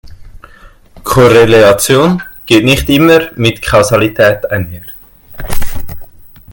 Korrelation geht nicht immer mit Kausalität einher.